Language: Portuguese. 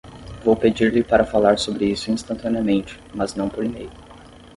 Vou pedir-lhe para falar sobre isso instantaneamente, mas não por e-mail.